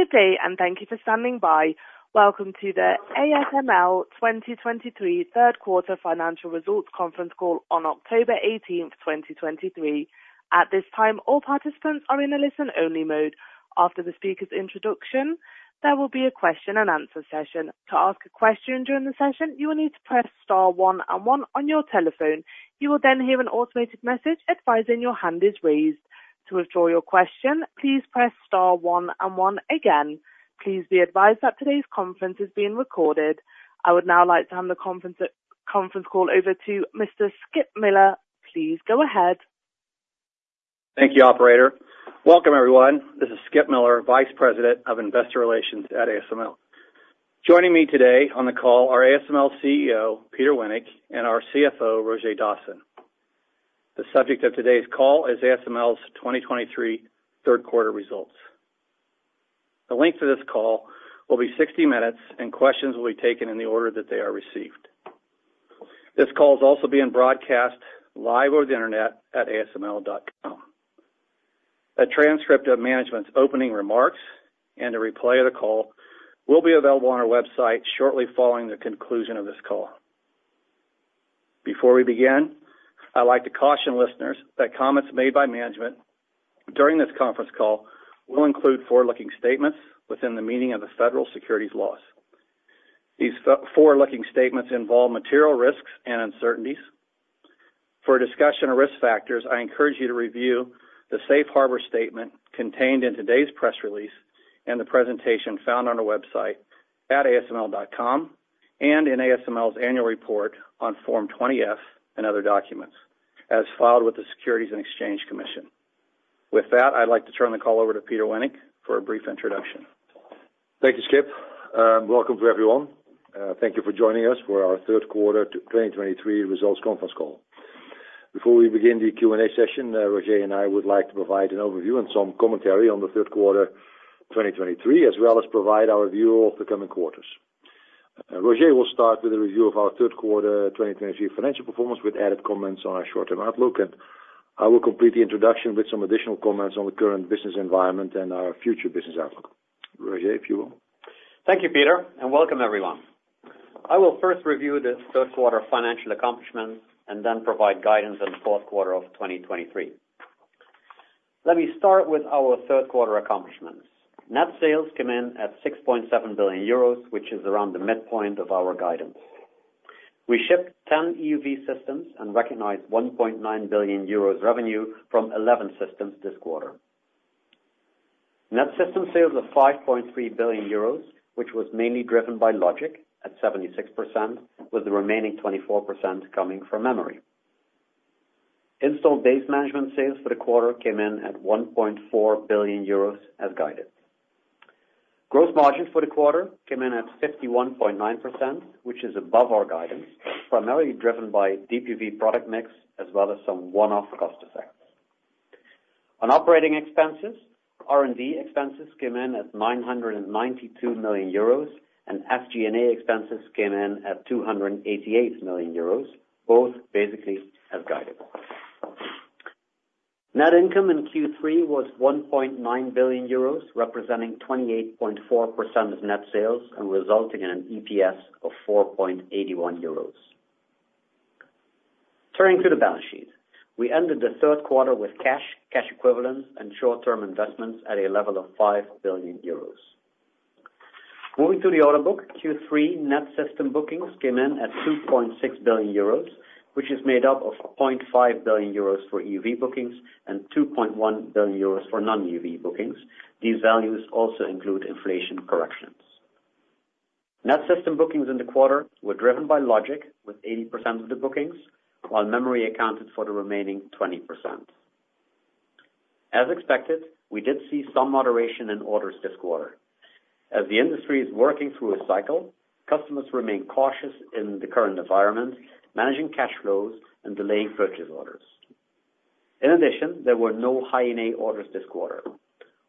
Good day, and thank you for standing by. Welcome to the ASML 2023 third quarter financial results conference call on October 18th, 2023. At this time, all participants are in a listen-only mode. After the speaker's introduction, there will be a question-and-answer session. To ask a question during the session, you will need to press star one and one on your telephone. You will then hear an automated message advising your hand is raised. To withdraw your question, please press star one and one again. Please be advised that today's conference is being recorded. I would now like to hand the conference call over to Mr. Skip Miller. Please go ahead. Thank you, operator. Welcome, everyone. This is Skip Miller, Vice President of Investor Relations at ASML. Joining me today on the call are ASML CEO, Peter Wennink, and our CFO, Roger Dassen. The subject of today's call is ASML's 2023 third quarter results. The length of this call will be 60 minutes, and questions will be taken in the order that they are received. This call is also being broadcast live over the internet at asml.com. A transcript of management's opening remarks and a replay of the call will be available on our website shortly following the conclusion of this call. Before we begin, I'd like to caution listeners that comments made by management during this conference call will include forward-looking statements within the meaning of the federal securities laws. These forward-looking statements involve material risks and uncertainties. For a discussion of risk factors, I encourage you to review the safe harbor statement contained in today's press release and the presentation found on our website at ASML.com, and in ASML's annual report on Form 20-F and other documents, as filed with the Securities and Exchange Commission. With that, I'd like to turn the call over to Peter Wennink for a brief introduction. Thank you, Skip. Welcome to everyone. Thank you for joining us for our third quarter 2023 results conference call. Before we begin the Q&A session, Roger and I would like to provide an overview and some commentary on the third quarter 2023, as well as provide our view of the coming quarters. Roger will start with a review of our third quarter 2023 financial performance, with added comments on our short-term outlook, and I will complete the introduction with some additional comments on the current business environment and our future business outlook. Roger, if you will. Thank you, Peter, and welcome everyone. I will first review the third quarter financial accomplishments and then provide guidance on the fourth quarter of 2023. Let me start with our third quarter accomplishments. Net sales came in at 6.7 billion euros, which is around the midpoint of our guidance. We shipped 10 EUV systems and recognized 1.9 billion euros revenue from 11 systems this quarter. Net system sales of 5.3 billion euros, which was mainly driven by logic at 76%, with the remaining 24% coming from memory. Installed base management sales for the quarter came in at 1.4 billion euros as guided. Gross margin for the quarter came in at 51.9%, which is above our guidance, primarily driven by DUV product mix, as well as some one-off cost effects. On operating expenses, R&D expenses came in at 992 million euros, and SG&A expenses came in at 288 million euros, both basically as guided. Net income in Q3 was 1.9 billion euros, representing 28.4% of net sales and resulting in an EPS of 4.81 euros. Turning to the balance sheet. We ended the third quarter with cash, cash equivalents, and short-term investments at a level of 5 billion euros. Moving to the order book, Q3 net system bookings came in at 2.6 billion euros, which is made up of 0.5 billion euros for EUV bookings and 2.1 billion euros for non-EUV bookings. These values also include inflation corrections. Net system bookings in the quarter were driven by logic, with 80% of the bookings, while memory accounted for the remaining 20%. As expected, we did see some moderation in orders this quarter. As the industry is working through a cycle, customers remain cautious in the current environment, managing cash flows and delaying purchase orders. In addition, there were no high-NA orders this quarter.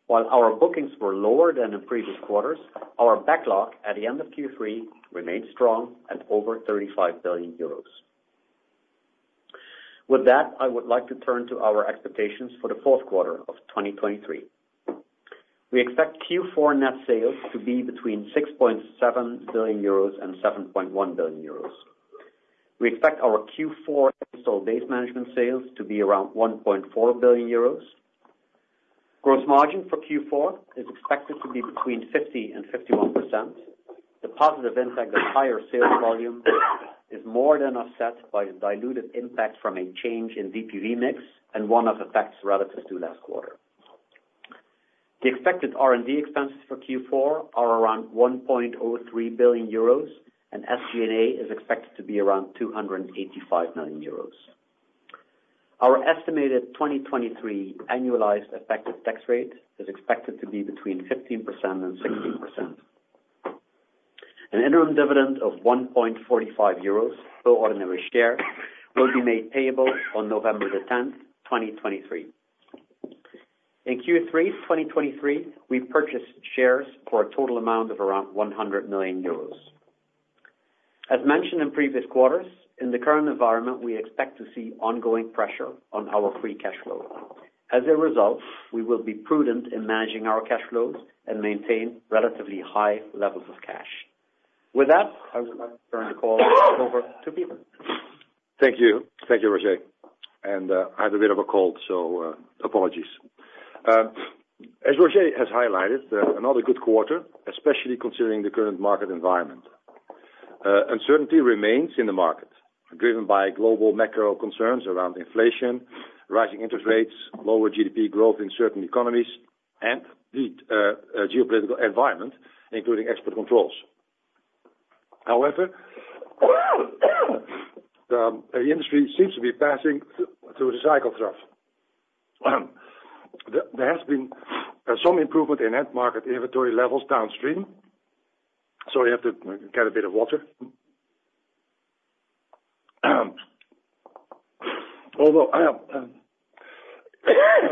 While our bookings were lower than in previous quarters, our backlog at the end of Q3 remained strong at over 35 billion euros. With that, I would like to turn to our expectations for the fourth quarter of 2023. We expect Q4 net sales to be between 6.7 billion euros and 7.1 billion euros. We expect our Q4 installed base management sales to be around 1.4 billion euros. Gross margin for Q4 is expected to be between 50%-51%. The positive impact of higher sales volume is more than offset by the diluted impact from a change in DUV mix and one-off effects relative to last quarter. The expected R&D expenses for Q4 are around 1.3 billion euros, and SG&A is expected to be around 285 million euros. Our estimated 2023 annualized effective tax rate is expected to be between 15%-16%. An interim dividend of 1.45 euros per ordinary share will be made payable on November 10, 2023. In Q3 2023, we purchased shares for a total amount of around 100 million euros. As mentioned in previous quarters, in the current environment, we expect to see ongoing pressure on our free cash flow. As a result, we will be prudent in managing our cash flows and maintain relatively high levels of cash. With that, I would like to turn the call over to Peter. Thank you. Thank you, Roger. I have a bit of a cold, so apologies. As Roger has highlighted, another good quarter, especially considering the current market environment. Uncertainty remains in the market, driven by global macro concerns around inflation, rising interest rates, lower GDP growth in certain economies, and the geopolitical environment, including export controls. However, the industry seems to be passing through the cycle trough. There has been some improvement in end market inventory levels downstream. Sorry, I have to get a bit of water.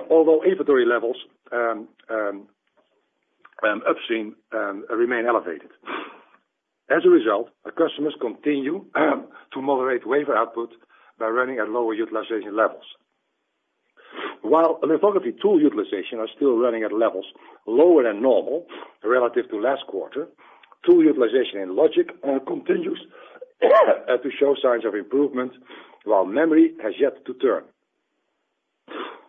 Although inventory levels upstream remain elevated. As a result, our customers continue to moderate wafer output by running at lower utilization levels. While lithography tool utilization are still running at levels lower than normal relative to last quarter, tool utilization and logic continues to show signs of improvement, while memory has yet to turn.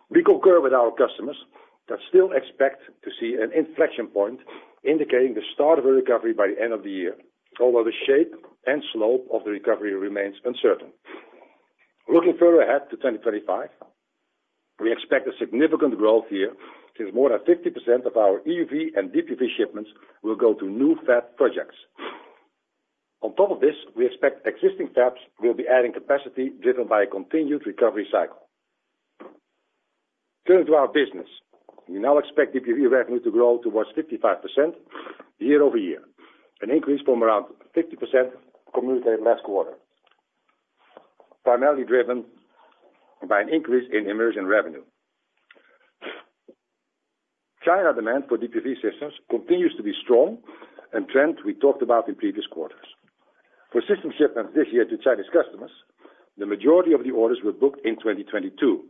We concur with our customers that still expect to see an inflection point indicating the start of a recovery by the end of the year, although the shape and slope of the recovery remains uncertain. Looking further ahead to 2025, we expect a significant growth year, since more than 50% of our EUV and DUV shipments will go to new fab projects. On top of this, we expect existing fabs will be adding capacity, driven by a continued recovery cycle. Turning to our business, we now expect DUV revenue to grow towards 55% year-over-year, an increase from around 50% communicated last quarter, primarily driven by an increase in immersion revenue. China demand for DUV systems continues to be strong, a trend we talked about in previous quarters. For system shipments this year to Chinese customers, the majority of the orders were booked in 2022.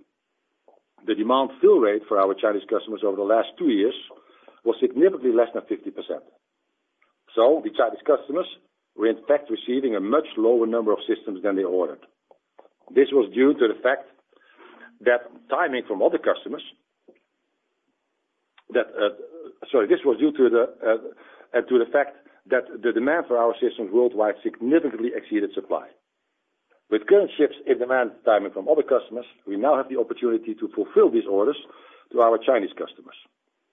The demand fill rate for our Chinese customers over the last two years was significantly less than 50%. So the Chinese customers were, in fact, receiving a much lower number of systems than they ordered. This was due to the fact that... Sorry, this was due to the fact that the demand for our systems worldwide significantly exceeded supply. With current shifts in demand timing from other customers, we now have the opportunity to fulfill these orders to our Chinese customers.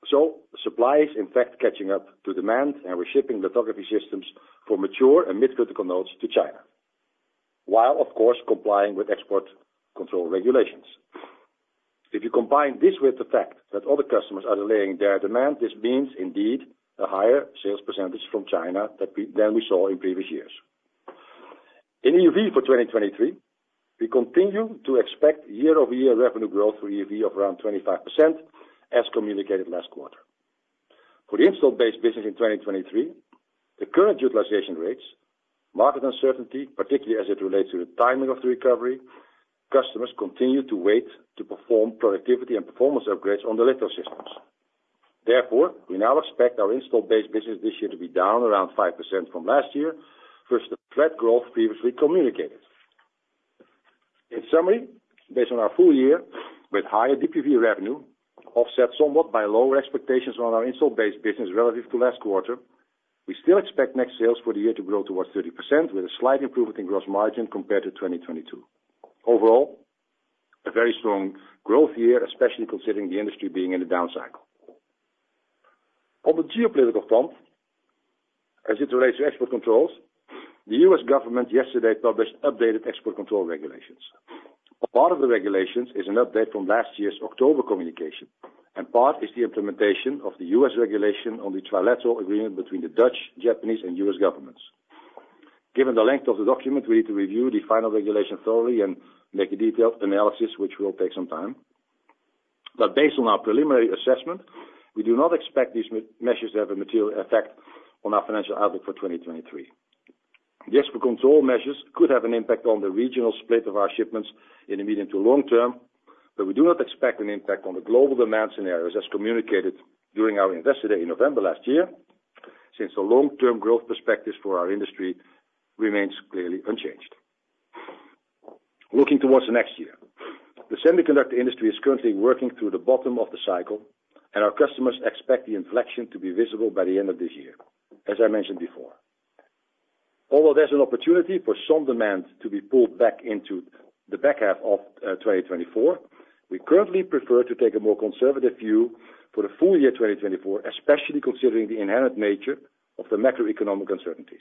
So supply is, in fact, catching up to demand, and we're shipping lithography systems for mature and mid-critical nodes to China, while of course, complying with export control regulations. If you combine this with the fact that other customers are delaying their demand, this means indeed a higher sales percentage from China that we- than we saw in previous years. In EUV for 2023, we continue to expect year-over-year revenue growth for EUV of around 25%, as communicated last quarter. For the installed base business in 2023, the current utilization rates, market uncertainty, particularly as it relates to the timing of the recovery, customers continue to wait to perform productivity and performance upgrades on the lithography systems. Therefore, we now expect our installed base business this year to be down around 5% from last year, versus the flat growth previously communicated. In summary, based on our full year, with higher DUV revenue offset somewhat by lower expectations on our installed base business relative to last quarter, we still expect net sales for the year to grow towards 30%, with a slight improvement in gross margin compared to 2022. Overall, a very strong growth year, especially considering the industry being in a down cycle. On the geopolitical front, as it relates to export controls, the U.S. government yesterday published updated export control regulations. A part of the regulations is an update from last year's October communication, and part is the implementation of the U.S. regulation on the trilateral agreement between the Dutch, Japanese, and U.S. governments. Given the length of the document, we need to review the final regulation thoroughly and make a detailed analysis, which will take some time. But based on our preliminary assessment, we do not expect these measures to have a material effect on our financial outlook for 2023. The export control measures could have an impact on the regional split of our shipments in the medium to long term, but we do not expect an impact on the global demand scenarios as communicated during our Investor Day in November last year, since the long-term growth perspectives for our industry remains clearly unchanged. Looking towards the next year, the semiconductor industry is currently working through the bottom of the cycle, and our customers expect the inflection to be visible by the end of this year, as I mentioned before. Although there's an opportunity for some demand to be pulled back into the back half of 2024, we currently prefer to take a more conservative view for the full year 2024, especially considering the inherent nature of the macroeconomic uncertainties.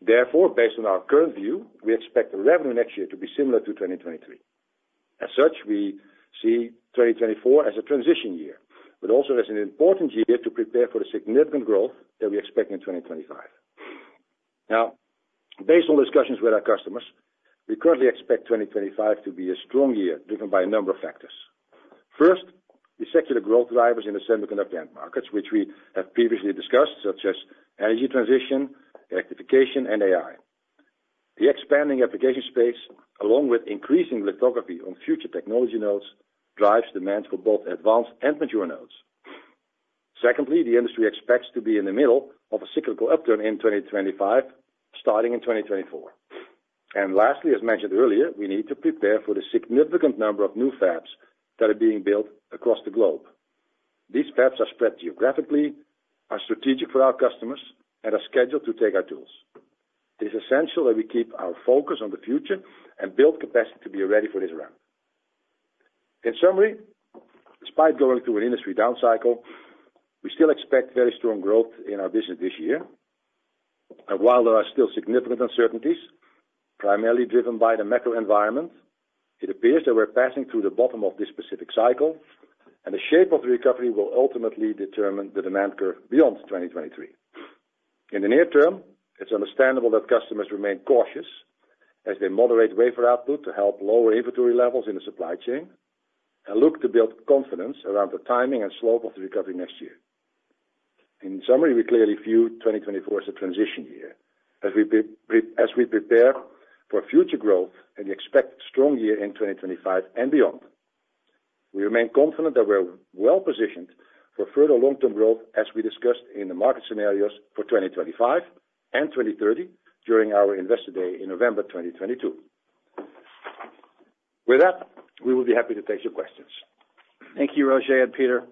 Therefore, based on our current view, we expect the revenue next year to be similar to 2023. As such, we see 2024 as a transition year, but also as an important year to prepare for the significant growth that we expect in 2025. Now, based on discussions with our customers, we currently expect 2025 to be a strong year, driven by a number of factors. First, the secular growth drivers in the semiconductor end markets, which we have previously discussed, such as energy transition, electrification, and AI. The expanding application space, along with increasing lithography on future technology nodes, drives demand for both advanced and mature nodes. Secondly, the industry expects to be in the middle of a cyclical upturn in 2025, starting in 2024. Lastly, as mentioned earlier, we need to prepare for the significant number of new fabs that are being built across the globe. These fabs are spread geographically, are strategic for our customers, and are scheduled to take our tools. It is essential that we keep our focus on the future and build capacity to be ready for this round. In summary, despite going through an industry down cycle, we still expect very strong growth in our business this year. While there are still significant uncertainties, primarily driven by the macro environment, it appears that we're passing through the bottom of this specific cycle, and the shape of the recovery will ultimately determine the demand curve beyond 2023. In the near term, it's understandable that customers remain cautious as they moderate wafer output to help lower inventory levels in the supply chain and look to build confidence around the timing and slope of the recovery next year. In summary, we clearly view 2024 as a transition year, as we prepare for future growth and expect strong year in 2025 and beyond. We remain confident that we're well-positioned for further long-term growth, as we discussed in the market scenarios for 2025 and 2030, during our Investor Day in November 2022. With that, we will be happy to take your questions. Thank you, Roger and Peter.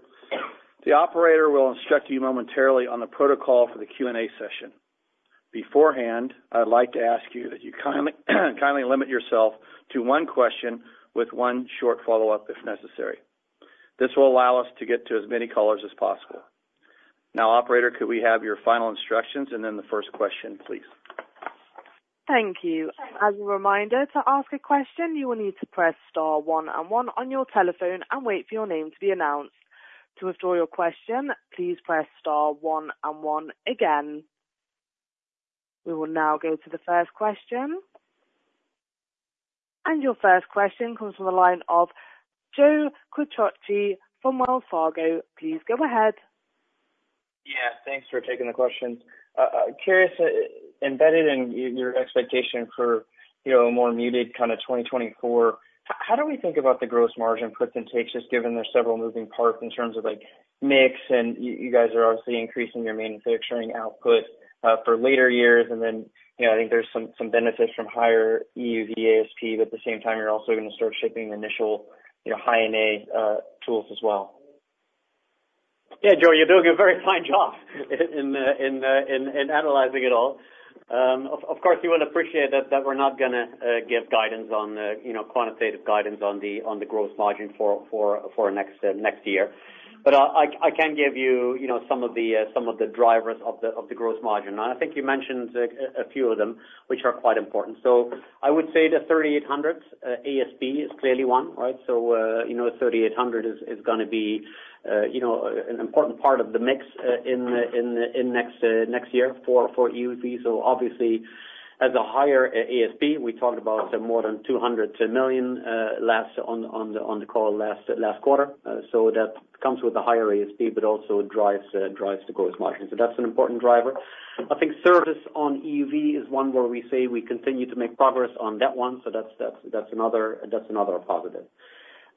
The operator will instruct you momentarily on the protocol for the Q&A session. Beforehand, I'd like to ask you that you kindly limit yourself to one question with one short follow-up, if necessary. This will allow us to get to as many callers as possible. Now, operator, could we have your final instructions and then the first question, please? Thank you. As a reminder, to ask a question, you will need to press star one and one on your telephone and wait for your name to be announced. To withdraw your question, please press star one and one again. We will now go to the first question. Your first question comes from the line of Joe Quatrochi from Wells Fargo. Please go ahead. Yeah, thanks for taking the questions. Curious, embedded in your expectation for, you know, a more muted kind of 2024, how do we think about the gross margin puts and takes, just given there are several moving parts in terms of, like, mix, and you guys are obviously increasing your manufacturing output for later years. And then, you know, I think there's some benefits from higher EUV ASP, but at the same time, you're also going to start shipping the initial, you know, high-NA tools as well. Yeah, Joe, you're doing a very fine job in analyzing it all. Of course, you will appreciate that we're not gonna give guidance on the, you know, quantitative guidance on the gross margin for next year. But I can give you, you know, some of the drivers of the gross margin, and I think you mentioned a few of them, which are quite important. So I would say the 3800 ASP is clearly one, right? So, you know, 3800 is gonna be, you know, an important part of the mix in next year for EUV. So obviously, as a higher ASP, we talked about more than 200 million, less on the call last quarter. So that comes with a higher ASP, but also drives the gross margin. So that's an important driver. I think service on EUV is one where we say we continue to make progress on that one, so that's another positive.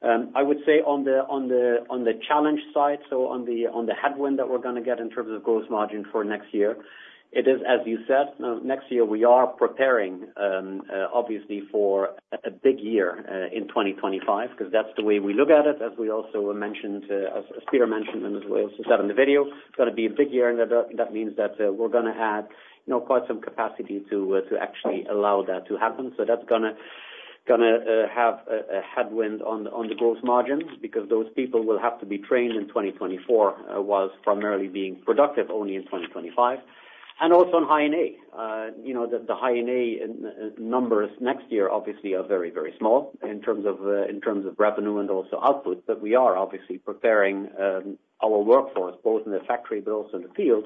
I would say on the challenge side, so on the headwind that we're gonna get in terms of gross margin for next year, it is, as you said, next year, we are preparing, obviously, for a big year in 2025, because that's the way we look at it. As we also mentioned, as Peter mentioned, and as we also said in the video, it's gonna be a big year, and that means that we're gonna add, you know, quite some capacity to actually allow that to happen. So that's gonna have a headwind on the gross margins, because those people will have to be trained in 2024, whilst primarily being productive only in 2025. And also on high-NA. You know, the high-NA numbers next year obviously are very, very small in terms of revenue and also output. But we are obviously preparing our workforce, both in the factory but also in the field,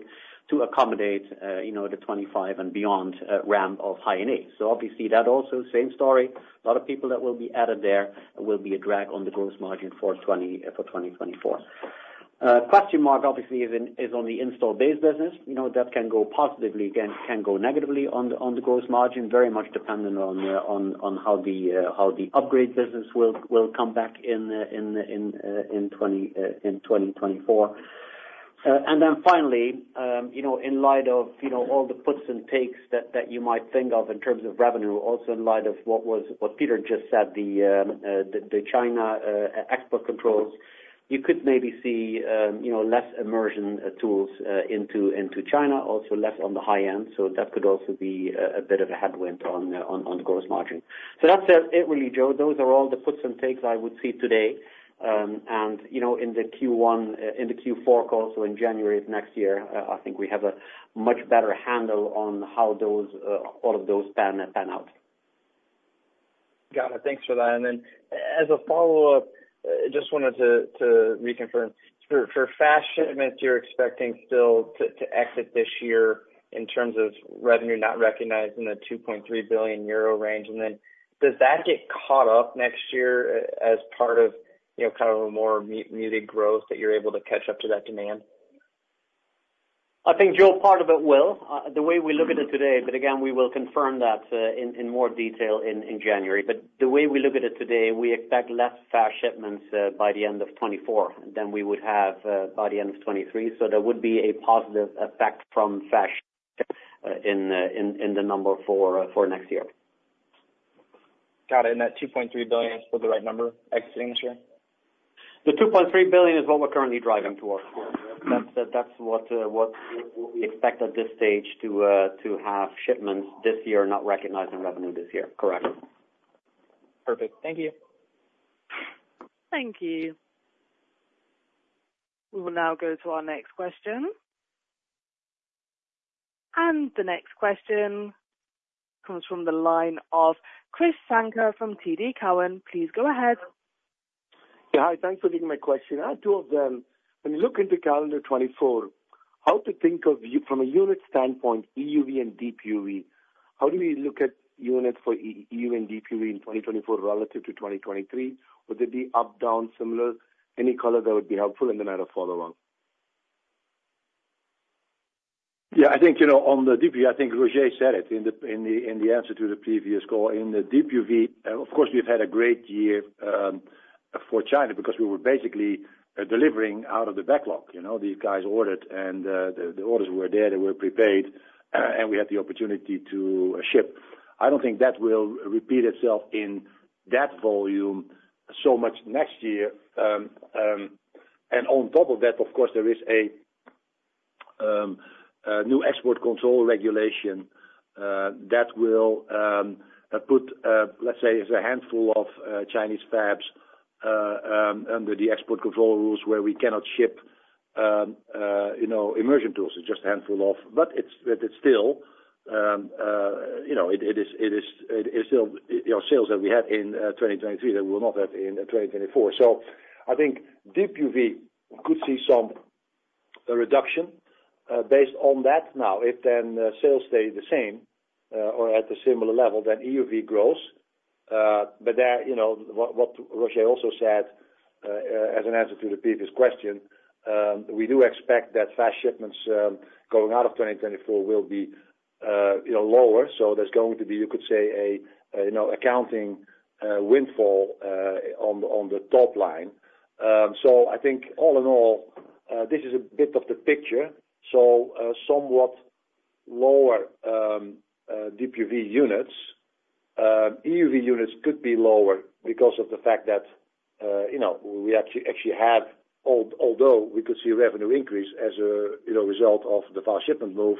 to accommodate, you know, the 25 and beyond ramp of high-NA. Obviously, that also same story, a lot of people that will be added there will be a drag on the gross margin for 2024. A question mark, obviously, is on the installed base business. You know, that can go positively, can go negatively on the gross margin, very much dependent on how the upgrade business will come back in 2024. And then finally, you know, in light of, you know, all the puts and takes that you might think of in terms of revenue, also in light of what Peter just said, the China export controls, you could maybe see, you know, less immersion tools into China, also less on the high end. So that could also be a bit of a headwind on the gross margin. So that's it really, Joe. Those are all the puts and takes I would see today. And, you know, in the Q4 call, so in January of next year, I think we have a much better handle on how those all pan out. Got it. Thanks for that. And then as a follow-up, just wanted to reconfirm. For fast shipments, you're expecting still to exit this year in terms of revenue not recognized in the 2.3 billion euro range? And then does that get caught up next year as part of, you know, kind of a more muted growth, that you're able to catch up to that demand? I think, Joe, part of it will, the way we look at it today, but again, we will confirm that, in more detail in January. But the way we look at it today, we expect less fast shipments, by the end of 2024 than we would have, by the end of 2023. So there would be a positive effect from fast shipments in the number for next year. Got it. And that 2.3 billion is still the right number, exiting this year? The 2.3 billion is what we're currently driving towards. Yeah. That's, that's what we expect at this stage to have shipments this year, not recognizing revenue this year. Correct. Perfect. Thank you. Thank you. We will now go to our next question. The next question comes from the line of Krish Sankar from TD Cowen. Please go ahead. Yeah, hi, thanks for taking my question. I have two of them. When you look into calendar 2024, how to think of EUV from a unit standpoint, EUV and DUV, how do we look at units for EUV and DUV in 2024 relative to 2023? Would they be up, down, similar? Any color that would be helpful, and then I have a follow on. Yeah, I think, you know, on the DUV, I think Roger said it in the answer to the previous call. In the DUV, of course, we've had a great year for China because we were basically delivering out of the backlog. You know, these guys ordered, and the orders were there, they were prepaid, and we had the opportunity to ship. I don't think that will repeat itself in that volume so much next year. And on top of that, of course, there is a new export control regulation that will put... Let's say, there's a handful of Chinese fabs under the export control rules, where we cannot ship, you know, immersion tools. It's just a handful of, but it's still, you know, it is still, you know, sales that we had in 2023, that we'll not have in 2024. So I think DUV could see some reduction based on that now. If then sales stay the same or at the similar level, then EUV grows. But there, you know, what Roger also said as an answer to the previous question, we do expect that fast shipments going out of 2024 will be, you know, lower. So there's going to be, you could say, a, you know, accounting windfall on the top line. So I think all in all, this is a bit of the picture, so somewhat lower DUV units. EUV units could be lower because of the fact that, you know, we actually have... Although we could see revenue increase as a, you know, result of the fast shipment move,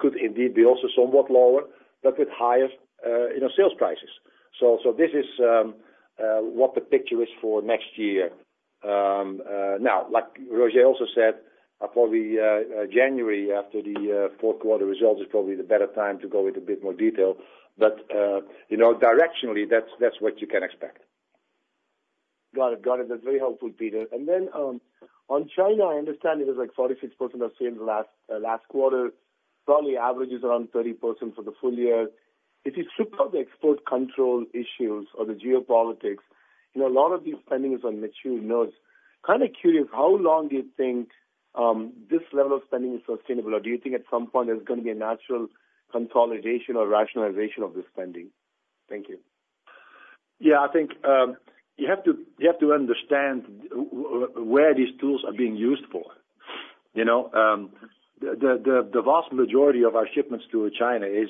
could indeed be also somewhat lower, but with higher, you know, sales prices. So this is what the picture is for next year. Now, like Roger also said, probably January, after the fourth quarter results, is probably the better time to go into a bit more detail. But, you know, directionally, that's what you can expect. Got it. Got it. That's very helpful, Peter. And then, on China, I understand it was like 46% or so in the last, last quarter. Probably averages around 30% for the full year. If you strip out the export control issues or the geopolitics, you know, a lot of these spending is on mature nodes. Kind of curious, how long do you think, this level of spending is sustainable, or do you think at some point there's going to be a natural consolidation or rationalization of the spending? Thank you. Yeah, I think you have to understand where these tools are being used for. You know, the vast majority of our shipments to China is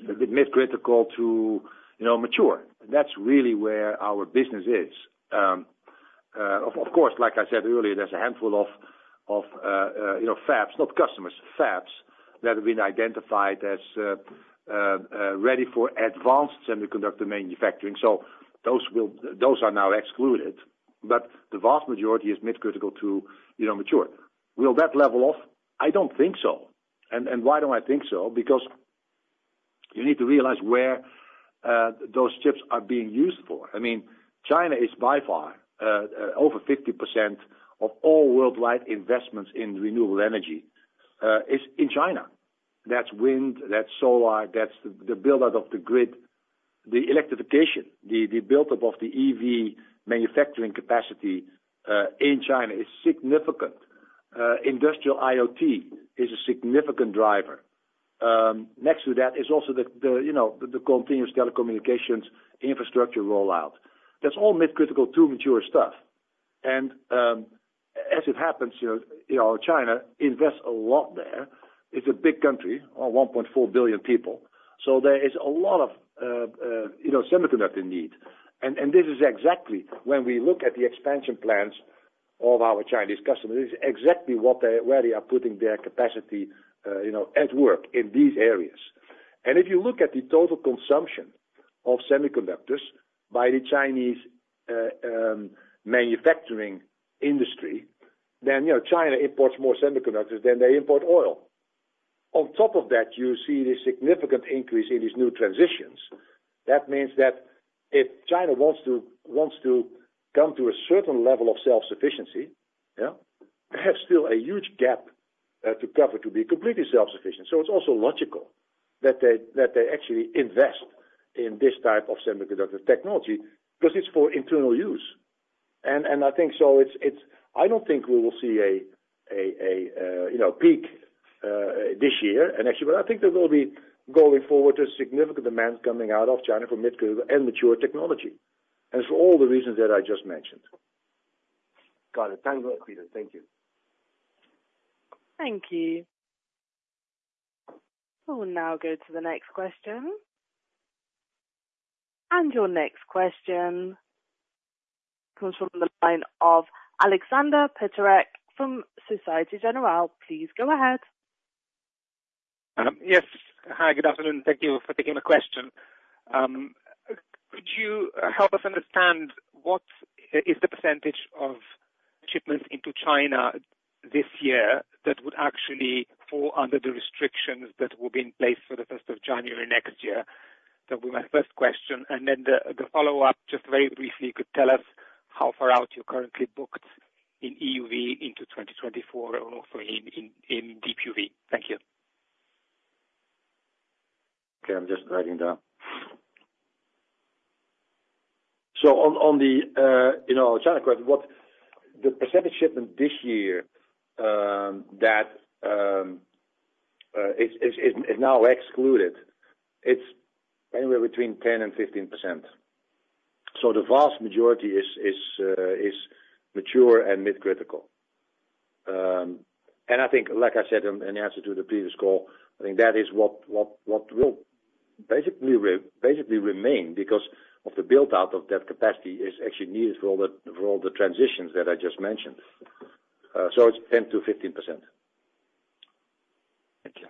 mid-critical to mature. That's really where our business is. Of course, like I said earlier, there's a handful of fabs, not customers, fabs, that have been identified as ready for advanced semiconductor manufacturing. So those are now excluded, but the vast majority is mid-critical to mature. Will that level off? I don't think so. And why don't I think so? Because you need to realize where those chips are being used for. I mean, China is by far over 50% of all worldwide investments in renewable energy is in China. That's wind, that's solar, that's the build-out of the grid. The electrification, the build-up of the EV manufacturing capacity in China is significant. Industrial IoT is a significant driver. Next to that is also the you know, the continuous telecommunications infrastructure rollout. That's all mid-critical to mature stuff. And as it happens, you know, China invests a lot there. It's a big country of 1.4 billion people, so there is a lot of you know, semiconductor need. And this is exactly when we look at the expansion plans of our Chinese customers, this is exactly what they- where they are putting their capacity you know, at work in these areas. If you look at the total consumption of semiconductors by the Chinese manufacturing industry, then, you know, China imports more semiconductors than they import oil. On top of that, you see the significant increase in these new transitions. That means that if China wants to come to a certain level of self-sufficiency, yeah, they have still a huge gap to cover to be completely self-sufficient. So it's also logical that they actually invest in this type of semiconductor technology, because it's for internal use. And I think so it's it—I don't think we will see a you know peak this year. And actually, but I think there will be, going forward, a significant demand coming out of China for mid-critical and mature technology, and for all the reasons that I just mentioned. Got it. Thank you, Peter. Thank you. Thank you. We will now go to the next question. Your next question comes from the line of Alexander Peterc from Société Générale. Please go ahead. Yes. Hi, good afternoon. Thank you for taking my question. Could you help us understand what is the percentage of shipments into China this year that would actually fall under the restrictions that will be in place for the 1st January next year? That will be my first question, and then the follow-up, just very briefly, could you tell us how far out you're currently booked in EUV into 2024 and also in DUV? Thank you. Okay, I'm just writing down. So on, on the, you know, China question, what... The percentage shipment this year, that, is now excluded, it's anywhere between 10%-15%. So the vast majority is mature and mid-critical. And I think, like I said in, in the answer to the previous call, I think that is what will basically re- basically remain because of the build-out of that capacity is actually needed for all the, for all the transitions that I just mentioned. So it's 10%-15%. Thank you.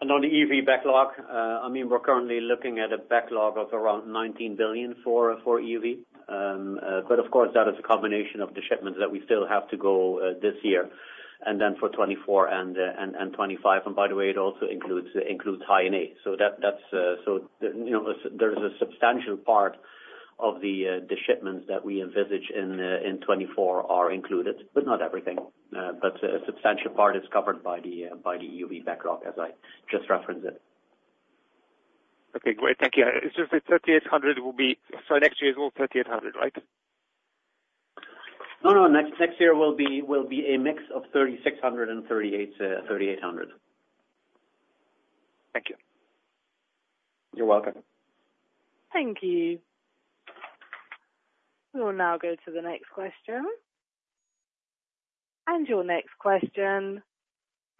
On the EUV backlog, I mean, we're currently looking at a backlog of around 19 billion for EUV. But of course, that is a combination of the shipments that we still have to go this year, and then for 2024 and 2025. And by the way, it also includes high-NA. So that, that's so, you know, there's a substantial part of the shipments that we envisage in 2024 are included, but not everything. But a substantial part is covered by the EUV backlog, as I just referenced it. Okay, great. Thank you. It's just the 3800 will be... So next year is all 3800, right? No, no. Next year will be a mix of 3600 and 3800. Thank you. You're welcome. Thank you. We will now go to the next question. Your next question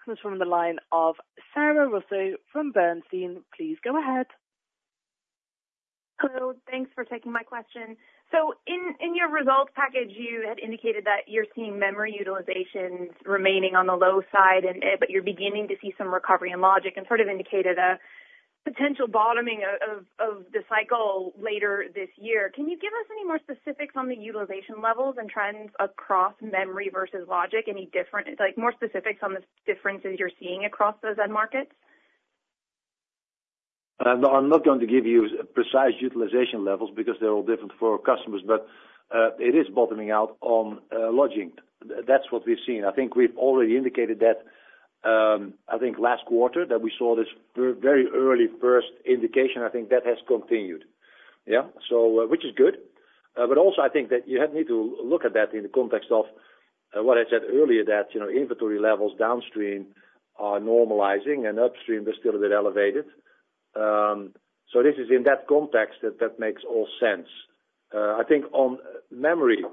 comes from the line of Sara Russo from Bernstein. Please go ahead. Hello, thanks for taking my question. So in your results package, you had indicated that you're seeing memory utilization remaining on the low side, and but you're beginning to see some recovery in logic and sort of indicated a potential bottoming of the cycle later this year. Can you give us any more specifics on the utilization levels and trends across memory versus logic? Any different... Like, more specifics on the differences you're seeing across those end markets? I'm not, I'm not going to give you precise utilization levels because they're all different for our customers, but, it is bottoming out on, logic. That's what we've seen. I think we've already indicated that, I think last quarter, that we saw this very early first indication. I think that has continued. Yeah, so, which is good. But also I think that you have need to look at that in the context of, what I said earlier, that, you know, inventory levels downstream are normalizing and upstream are still a bit elevated. So this is in that context that that makes all sense. I think on memory,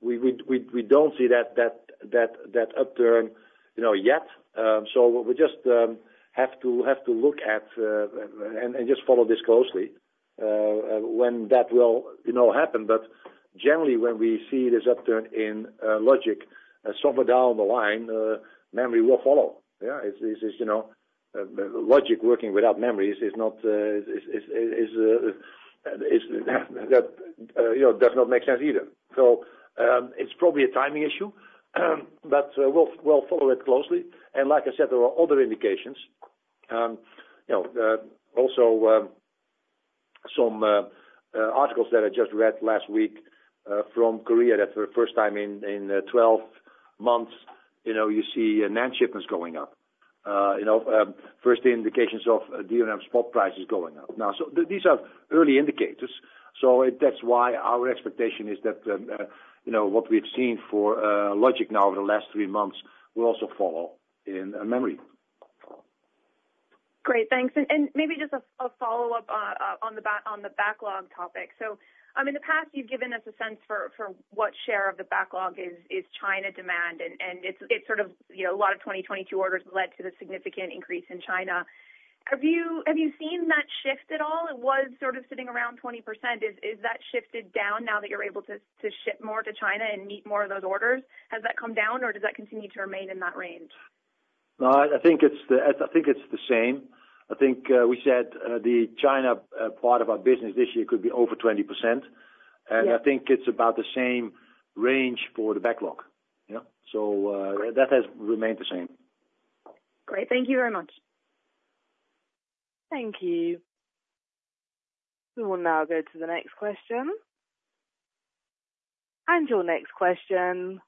we don't see that upturn, you know, yet. So we just have to look at and just follow this closely when that will, you know, happen. But generally, when we see this upturn in logic, somewhere down the line, memory will follow. Yeah, it's, you know, logic working without memories is not, you know, does not make sense either. So it's probably a timing issue, but we'll follow it closely. And like I said, there are other indications. You know, also some articles that I just read last week from Korea, that for the first time in 12 months, you know, you see NAND shipments going up. You know, first indications of DRAM spot prices going up. Now, so these are early indicators, so that's why our expectation is that, you know, what we've seen for logic now over the last three months will also follow in memory. Great, thanks. And maybe just a follow-up on the backlog topic. So, in the past, you've given us a sense for what share of the backlog is China demand, and it's, it sort of, you know, a lot of 2022 orders led to the significant increase in China. Have you seen that shift at all? It was sort of sitting around 20%. Is that shifted down now that you're able to ship more to China and meet more of those orders? Has that come down, or does that continue to remain in that range? No, I think it's the, I think it's the same. I think, we said, the China, part of our business this year could be over 20%. Yeah. I think it's about the same range for the backlog. Yeah. That has remained the same. Great. Thank you very much. Thank you. We will now go to the next question.... And your next question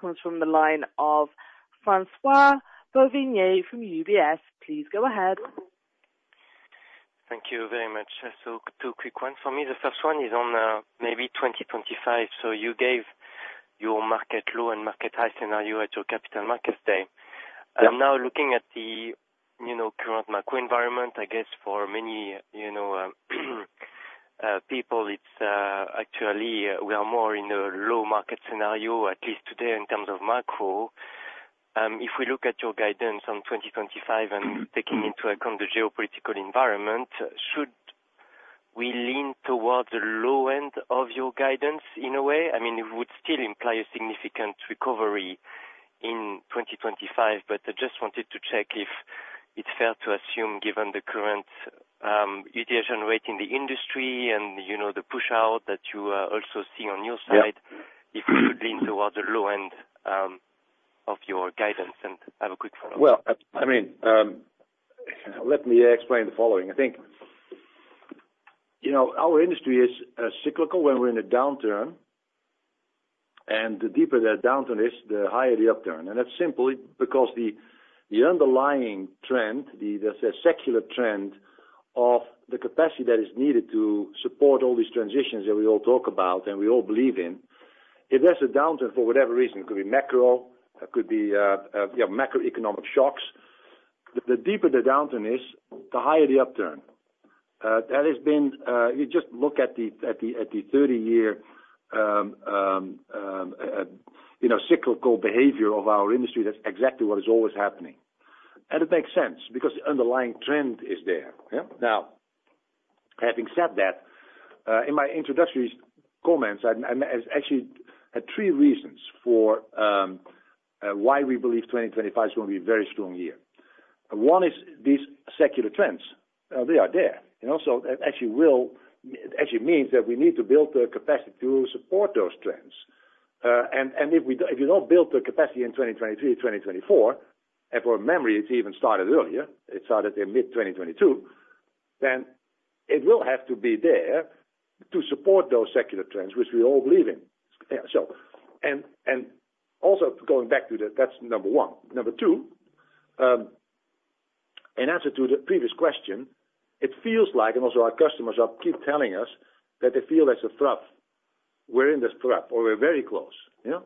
comes from the line of François Bouvignies from UBS. Please go ahead. Thank you very much. So two quick ones for me. The first one is on, maybe 2025. So you gave your market low and market high scenario at your capital markets day. I'm now looking at the, you know, current macro environment, I guess, for many, you know, people, it's, actually, we are more in a low market scenario, at least today, in terms of macro. If we look at your guidance on 2025 and taking into account the geopolitical environment, should we lean towards the low end of your guidance in a way? I mean, it would still imply a significant recovery in 2025, but I just wanted to check if it's fair to assume, given the current, utilization rate in the industry and, you know, the push out that you, also see on your side- Yeah. If we should lean towards the low end of your guidance. I have a quick follow-up. Well, I mean, let me explain the following. I think, you know, our industry is cyclical when we're in a downturn, and the deeper the downturn is, the higher the upturn. And that's simply because the underlying trend, the secular trend of the capacity that is needed to support all these transitions that we all talk about and we all believe in, if there's a downturn, for whatever reason, it could be macro, it could be, yeah, macroeconomic shocks. The deeper the downturn is, the higher the upturn. That has been. If you just look at the 30-year, you know, cyclical behavior of our industry, that's exactly what is always happening. And it makes sense because the underlying trend is there, yeah? Now, having said that, in my introductory comments, I actually had three reasons for why we believe 2025 is going to be a very strong year. One is these secular trends. They are there, and also it actually will, it actually means that we need to build the capacity to support those trends. And if we don't, if you don't build the capacity in 2023, 2024, and for memory, it even started earlier, it started in mid 2022, then it will have to be there to support those secular trends, which we all believe in. So, and also going back to that, that's number one. Number two, in answer to the previous question, it feels like, and also our customers are keep telling us, that they feel there's a trough. We're in this trough or we're very close, you know,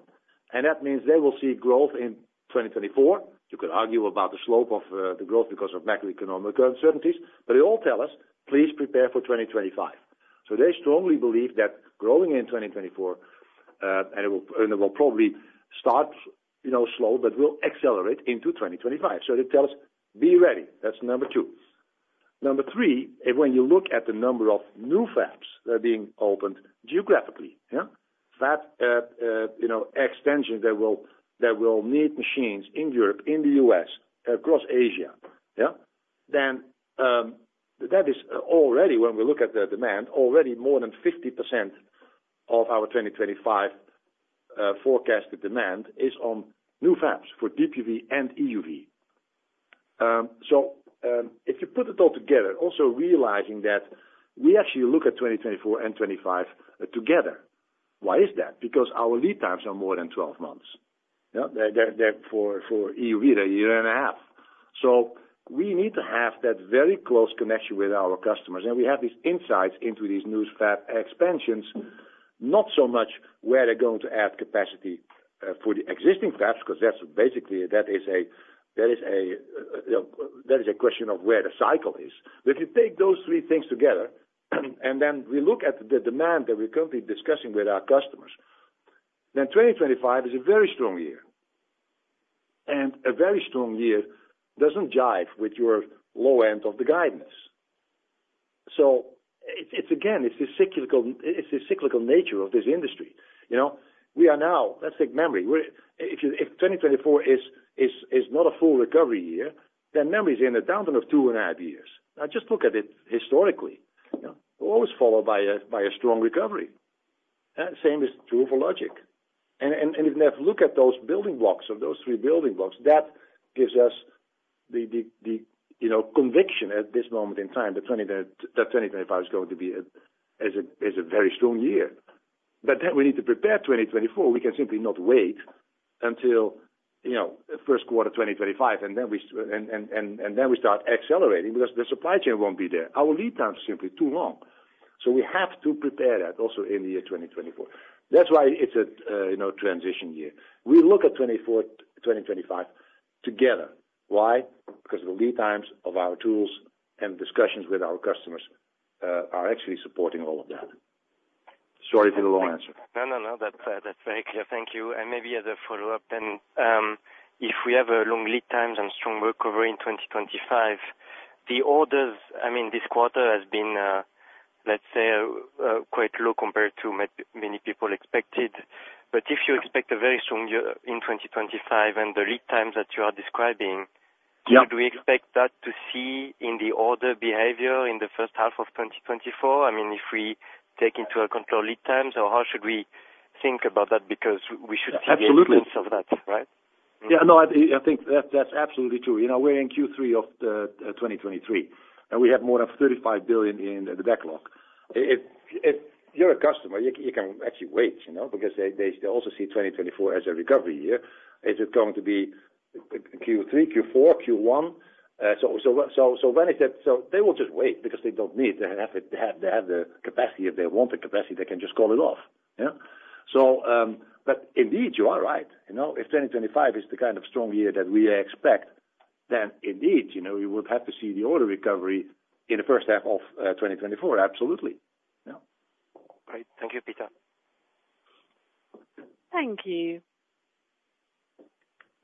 and that means they will see growth in 2024. You could argue about the slope of the growth because of macroeconomic uncertainties, but they all tell us, "Please prepare for 2025." So they strongly believe that growing in 2024, and it will, and it will probably start, you know, slow, but will accelerate into 2025. So they tell us, "Be ready." That's number two. Number three, and when you look at the number of new fabs that are being opened geographically, yeah, fab extensions that will need machines in Europe, in the U.S., across Asia, yeah? Then, that is already when we look at the demand, already more than 50% of our 2025 forecasted demand is on new fabs for DUV and EUV. So, if you put it all together, also realizing that we actually look at 2024 and 2025 together. Why is that? Because our lead times are more than 12 months. Yeah, they're for EUV a year and a half. So we need to have that very close connection with our customers, and we have these insights into these new fab expansions, not so much where they're going to add capacity for the existing fabs, because that's basically, you know, a question of where the cycle is. But if you take those three things together, and then we look at the demand that we're currently discussing with our customers, then 2025 is a very strong year. And a very strong year doesn't jive with your low end of the guidance. So it's again the cyclical nature of this industry. You know, we are now. Let's take memory. If 2024 is not a full recovery year, then memory is in a downturn of 2.5 years. Now, just look at it historically. You know, always followed by a strong recovery. Same is true for Logic. And if you have to look at those building blocks of those three building blocks, that gives us the you know conviction at this moment in time that 2025 is going to be a very strong year. But then we need to prepare 2024. We can simply not wait until, you know, first quarter 2025, and then we start accelerating because the supply chain won't be there. Our lead time is simply too long, so we have to prepare that also in the year 2024. That's why it's a you know, transition year. We look at 2024, 2025 together. Why? Because the lead times of our tools and discussions with our customers are actually supporting all of that. Sorry for the long answer. No, no, no, that's very clear. Thank you. And maybe as a follow-up then, if we have long lead times and strong recovery in 2025, the orders, I mean, this quarter has been, let's say, quite low compared to many people expected. But if you expect a very strong year in 2025 and the lead times that you are describing- Yeah. Do we expect to see that in the order behavior in the first half of 2024? I mean, if we take into account lead times, or how should we think about that? Because we should- Absolutely. See evidence of that, right? Yeah, no, I think that's absolutely true. You know, we're in Q3 of the 2023, and we have more than 35 billion in the backlog. If you're a customer, you can actually wait, you know, because they also see 2024 as a recovery year. Is it going to be Q3, Q4, Q1? So what, so when is it? So they will just wait because they don't need to have it. They have the capacity. If they want the capacity, they can just call it off, yeah? So, but indeed, you are right. You know, if 2025 is the kind of strong year that we expect, then indeed, you know, we would have to see the order recovery in the first half of 2024. Absolutely, yeah. Great. Thank you, Peter. Thank you.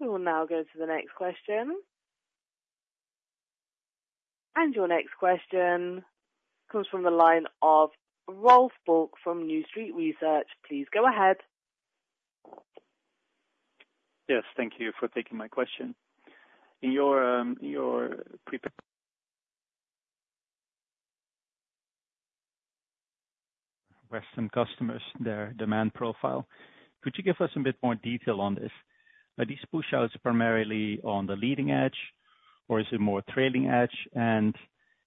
We will now go to the next question. Your next question comes from the line of Rolf Bulk from New Street Research. Please go ahead. Yes, thank you for taking my question. In your Western customers, their demand profile, could you give us a bit more detail on this? Are these pushouts primarily on the leading edge, or is it more trailing edge, and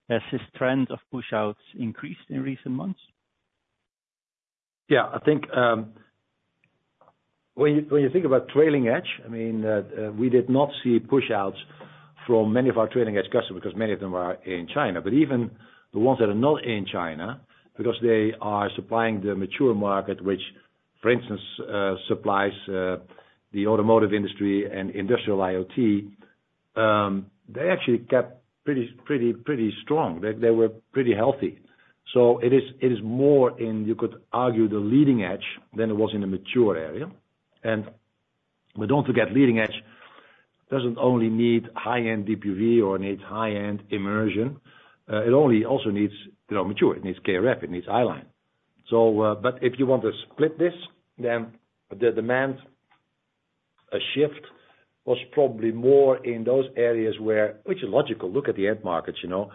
has this trend of pushouts increased in recent months? Yeah, I think, when you, when you think about trailing edge, I mean, we did not see pushouts from many of our trailing edge customers because many of them are in China. But even the ones that are not in China, because they are supplying the mature market, which, for instance, supplies, the automotive industry and industrial IoT, they actually kept pretty, pretty, pretty strong. They, they were pretty healthy. So it is, it is more in, you could argue, the leading edge than it was in a mature area. And but don't forget, leading edge doesn't only need high-end DUV or needs high-end immersion, it only also needs, you know, mature. It needs KrF, it needs i-line. So, but if you want to split this, then the demand, shift was probably more in those areas where... Which is logical. Look at the end markets, you know,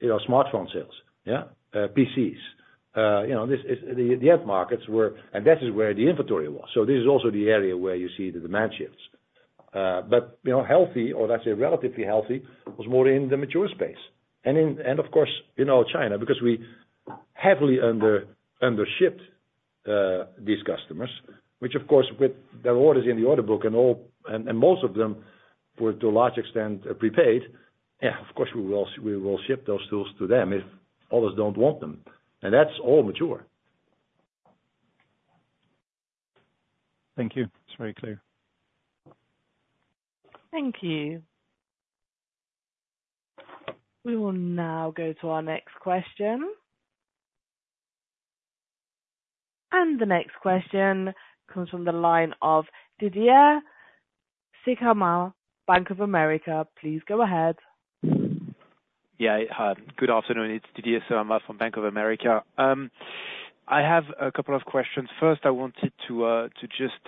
you know, smartphone sales, yeah? PCs, you know, this is the end markets were-- and that is where the inventory was. So this is also the area where you see the demand shifts. But, you know, healthy, or let's say relatively healthy, was more in the mature space. And in, and of course, in all China, because we heavily undershipped these customers, which of course, with their orders in the order book and all, and, and most of them were, to a large extent, prepaid. Yeah, of course, we will, we will ship those tools to them if others don't want them, and that's all mature. Thank you. It's very clear. Thank you. We will now go to our next question. The next question comes from the line of Didier Scemama, Bank of America. Please go ahead. Yeah, hi. Good afternoon. It's Didier Scemama from Bank of America. I have a couple of questions. First, I wanted to just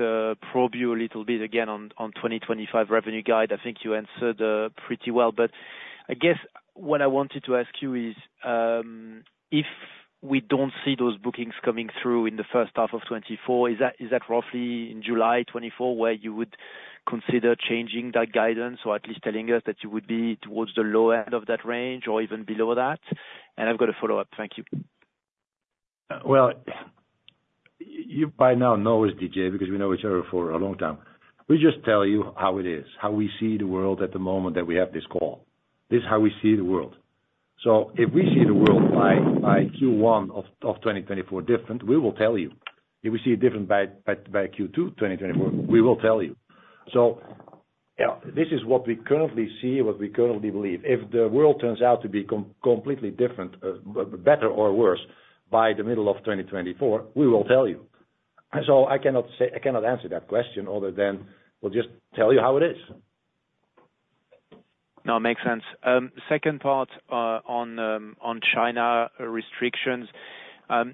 probe you a little bit again on 2025 revenue guide. I think you answered pretty well, but I guess what I wanted to ask you is, if we don't see those bookings coming through in the first half of 2024, is that roughly in July 2024, where you would consider changing that guidance, or at least telling us that you would be towards the lower end of that range or even below that? And I've got a follow-up. Thank you. Well, you by now know us, Didier, because we know each other for a long time. We just tell you how it is, how we see the world at the moment that we have this call. This is how we see the world. So if we see the world by Q1 of 2024 different, we will tell you. If we see it different by Q2 2024, we will tell you. So, yeah, this is what we currently see, what we currently believe. If the world turns out to be completely different, better or worse, by the middle of 2024, we will tell you. So I cannot say, I cannot answer that question other than we'll just tell you how it is. No, it makes sense. Second part, on China restrictions,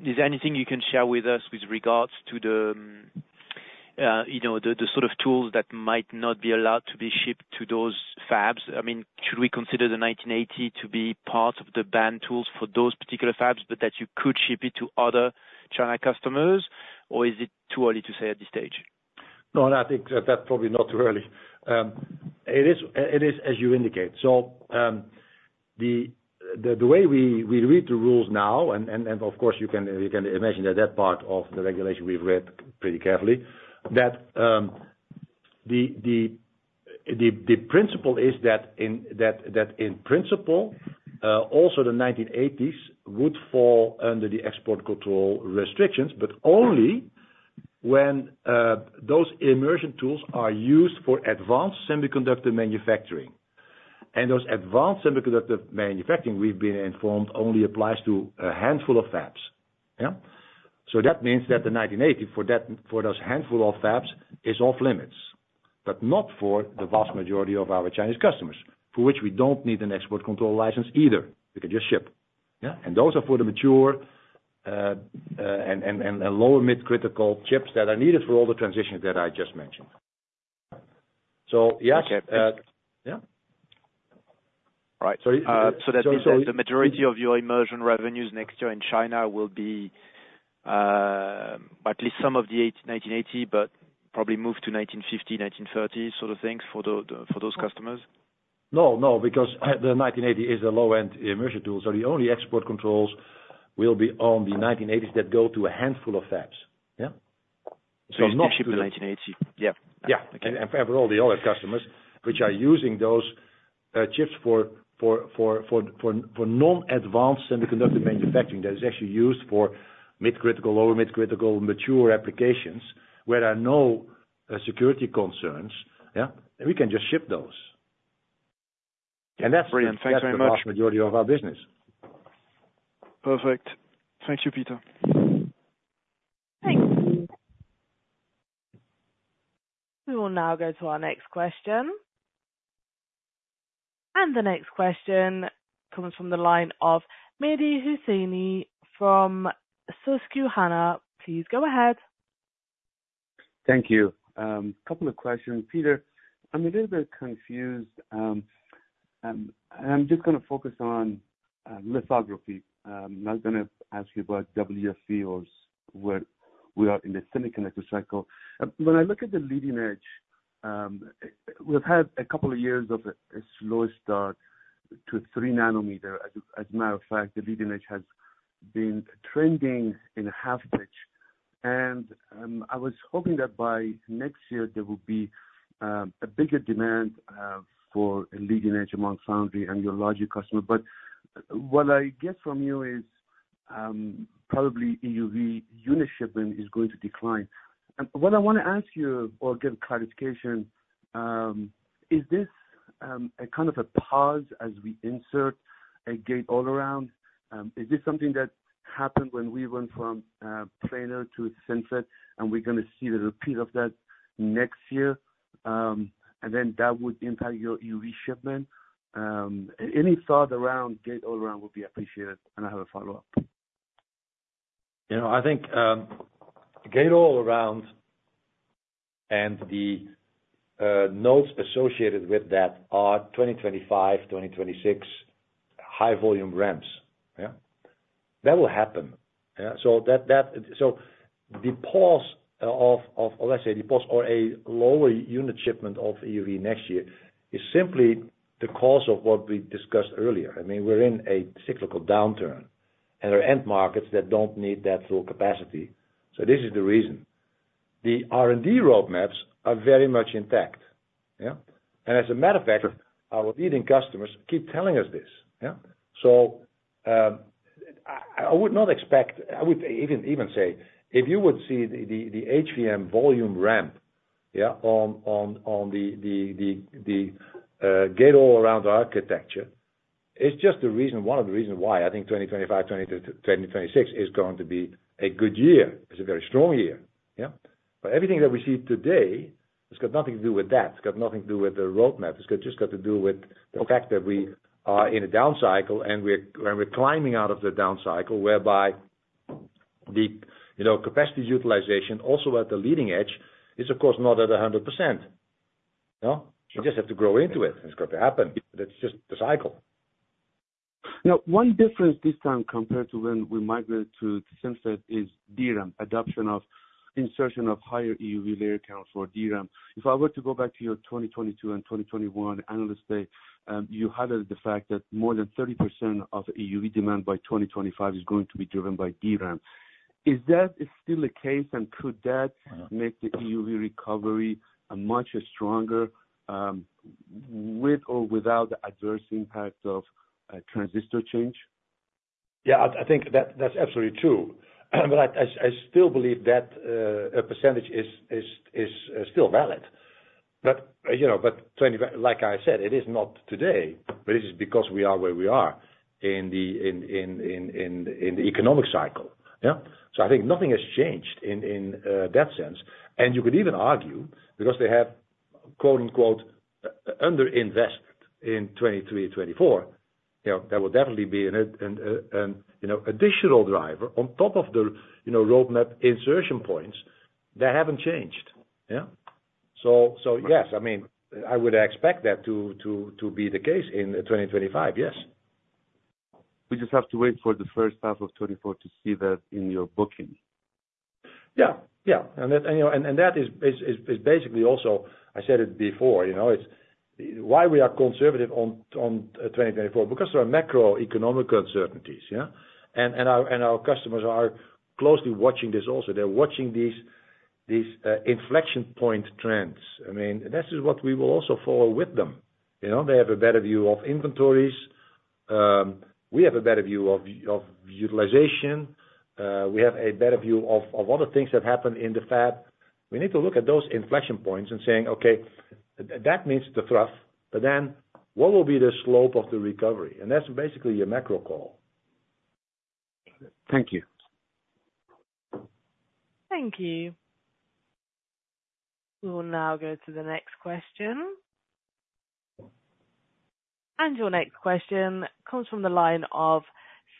is there anything you can share with us with regards to the, you know, sort of tools that might not be allowed to be shipped to those fabs? I mean, should we consider the 1980 to be part of the banned tools for those particular fabs, but that you could ship it to other China customers? Or is it too early to say at this stage? No, I think that's probably not too early. It is, as you indicate. So, the way we read the rules now, and of course, you can imagine that that part of the regulation we've read pretty carefully, that the principle is that in principle, also the 1980s would fall under the export control restrictions, but only when those immersion tools are used for advanced semiconductor manufacturing. And those advanced semiconductor manufacturing, we've been informed, only applies to a handful of fabs. Yeah? So that means that the 1980 for those handful of fabs is off limits, but not for the vast majority of our Chinese customers, for which we don't need an export control license either. We can just ship. Yeah? Those are for the mature and lower mid-critical chips that are needed for all the transitions that I just mentioned. So yes, Okay. Yeah? Right. So that means that the majority of your immersion revenues next year in China will be at least some of the 1980, but probably move to 1950, 1930 sort of things for those customers? No, no, because the 1980 is a low-end immersion tool, so the only export controls will be on the 1980s that go to a handful of fabs. Yeah? So not- So you ship the 1980. Yeah. Yeah. Okay. And for all the other customers which are using those chips for non-advanced semiconductor manufacturing, that is actually used for mid-critical or mid-critical mature applications, where there are no security concerns, yeah, we can just ship those. And that's- Brilliant. Thanks very much. That's the vast majority of our business. Perfect. Thank you, Peter. Thanks. We will now go to our next question. The next question comes from the line of Mehdi Hosseini from Susquehanna. Please go ahead. Thank you. A couple of questions. Peter, I'm a little bit confused. I'm just gonna focus on lithography. I'm not gonna ask you about WFE or where we are in the semiconductor cycle. When I look at the leading edge, we've had a couple of years of a slow start to 3 nm. As a matter of fact, the leading edge has been trending in half pitch, and I was hoping that by next year, there would be a bigger demand for a leading edge amongst Foundry and your larger customer. But what I get from you is probably EUV unit shipment is going to decline. What I want to ask you or get clarification is this a kind of a pause as we insert a gate-all-around? Is this something that happened when we went from planar to FinFET, and we're gonna see the repeat of that next year, and then that would impact your EUV shipment? Any thought around gate-all-around would be appreciated, and I have a follow-up. You know, I think, gate-all-around and the nodes associated with that are 2025, 2026 high volume ramps. Yeah. That will happen. So that, so the pause or a lower unit shipment of EUV next year is simply the cause of what we discussed earlier. I mean, we're in a cyclical downturn, and our end markets that don't need that full capacity. So this is the reason. The R&D roadmaps are very much intact. Yeah? And as a matter of fact, our leading customers keep telling us this, yeah? So, I would not expect... I would even say, if you would see the HVM volume ramp, yeah, on the gate-all-around architecture, it's just the reason, one of the reasons why I think 2025, 2026 is going to be a good year. It's a very strong year. Yeah? But everything that we see today, it's got nothing to do with that. It's got nothing to do with the roadmap. It's just got to do with the fact that we are in a down cycle, and we're climbing out of the down cycle, whereby, you know, capacity utilization, also at the leading edge, is of course, not at 100%. No? You just have to grow into it. It's got to happen. It's just the cycle. Now, one difference this time compared to when we migrated to FinFET, is DRAM, adoption of insertion of higher EUV layer counts for DRAM. If I were to go back to your 2022 and 2021 Analyst Day, you highlighted the fact that more than 30% of EUV demand by 2025 is going to be driven by DRAM. Is that still the case, and could that make the EUV recovery a much stronger, with or without the adverse impact of, transistor change? Yeah, I think that's absolutely true. But I still believe that a percentage is still valid. But, you know, but 20... Like I said, it is not today, but it is because we are where we are in the economic cycle. Yeah? So I think nothing has changed in that sense. And you could even argue, because they have, quote-unquote, "under invested" in 2023 and 2024, you know, there will definitely be an additional driver on top of the roadmap insertion points that haven't changed. Yeah? So yes, I mean, I would expect that to be the case in 2025, yes. We just have to wait for the first half of 2024 to see that in your bookings. Yeah. Yeah, and that, you know, and that is basically also. I said it before, you know, it's why we are conservative on 2024, because there are macroeconomic uncertainties, yeah? Our customers are closely watching this also. They're watching these inflection point trends. I mean, this is what we will also follow with them. You know, they have a better view of inventories. We have a better view of utilization. We have a better view of all the things that happened in the fab. We need to look at those inflection points and saying, "Okay, that means the trough, but then what will be the slope of the recovery?" And that's basically your macro call. Thank you. Thank you. We will now go to the next question. Your next question comes from the line of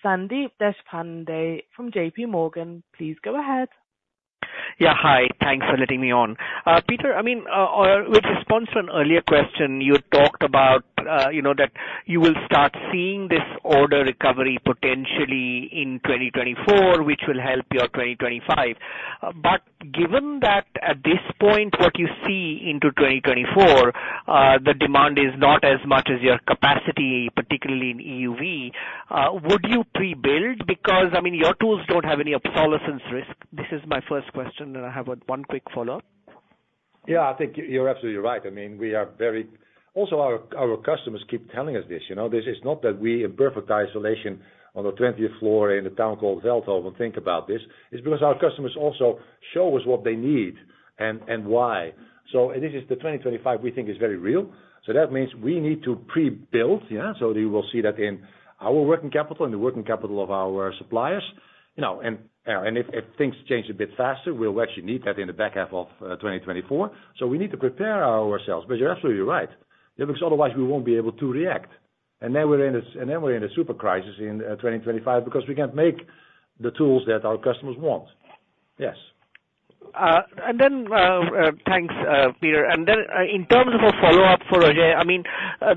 Sandeep Deshpande from JPMorgan. Please go ahead. Yeah, hi. Thanks for letting me on. Peter, I mean, with response to an earlier question, you talked about, you know, that you will start seeing this order recovery potentially in 2024, which will help your 2025. But given that, at this point, what you see into 2024, the demand is not as much as your capacity, particularly in EUV, would you pre-build? Because, I mean, your tools don't have any obsolescence risk. This is my first question, and I have one quick follow-up. Yeah, I think you're absolutely right. I mean, we are very... Also, our customers keep telling us this, you know? This is not that we, in perfect isolation on the 20th floor in a town called Veldhoven, think about this. It's because our customers also show us what they need and why. So and this is the 2025 we think is very real, so that means we need to pre-build, yeah? So you will see that in our working capital and the working capital of our suppliers, you know, and if things change a bit faster, we'll actually need that in the back half of 2024. So we need to prepare ourselves. But you're absolutely right. Yeah, because otherwise we won't be able to react, and then we're in a, and then we're in a super crisis in 2025, because we can't make the tools that our customers want. Yes. Thanks, Peter. In terms of a follow-up for Roger, I mean,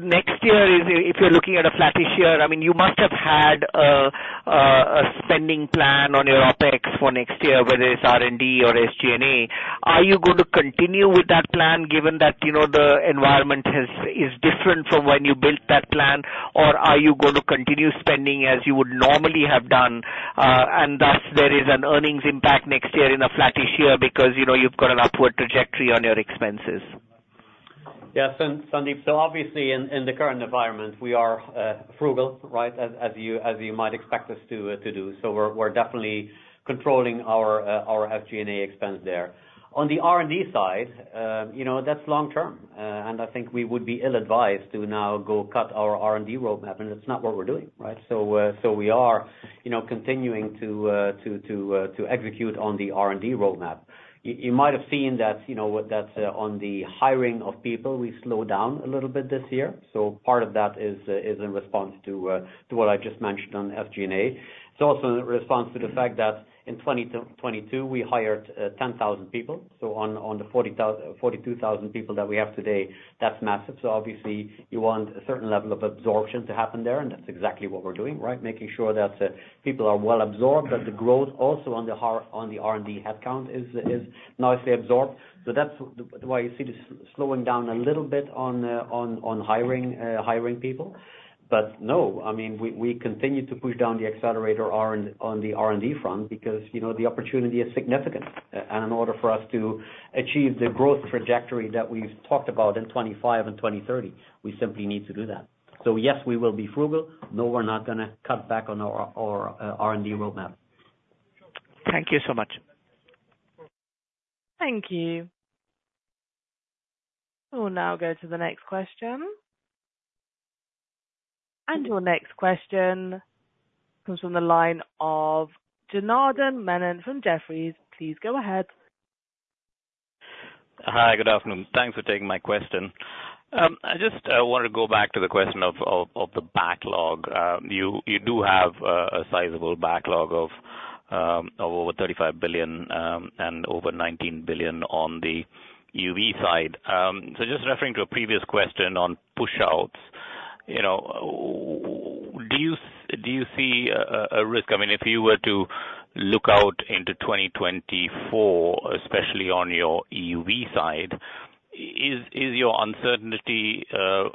next year, if you're looking at a flattish year, I mean, you must have had a spending plan on your OpEx for next year, whether it's R&D or SG&A. Are you going to continue with that plan, given that, you know, the environment is different from when you built that plan? Or are you going to continue spending as you would normally have done, and thus there is an earnings impact next year in a flattish year because, you know, you've got an upward trajectory on your expenses? Yes, Sandeep. So obviously, in the current environment, we are frugal, right? As you might expect us to do. So we're definitely controlling our SG&A expense there. On the R&D side, you know, that's long term, and I think we would be ill-advised to now go cut our R&D roadmap, and that's not what we're doing, right? So we are, you know, continuing to execute on the R&D roadmap. You might have seen that, you know, that on the hiring of people, we slowed down a little bit this year. So part of that is in response to what I just mentioned on SG&A. It's also in response to the fact that in 2022, we hired 10,000 people, so on the 42,000 people that we have today, that's massive. So obviously, you want a certain level of absorption to happen there, and that's exactly what we're doing, right? Making sure that people are well absorbed, that the growth also on the R&D headcount is nicely absorbed. So that's why you see the slowing down a little bit on hiring people. But no, I mean, we continue to push down the accelerator on the R&D front, because, you know, the opportunity is significant. And in order for us to achieve the growth trajectory that we've talked about in 2025 and 2030, we simply need to do that. So yes, we will be frugal. No, we're not gonna cut back on our R&D roadmap. Thank you so much. Thank you. We'll now go to the next question. Your next question comes from the line of Janardan Menon from Jefferies. Please go ahead. Hi, good afternoon. Thanks for taking my question. I just wanted to go back to the question of the backlog. You do have a sizable backlog of over 35 billion and over 19 billion on the EUV side. So just referring to a previous question on push-outs, you know, do you see a risk? I mean, if you were to look out into 2024, especially on your EUV side, is your uncertainty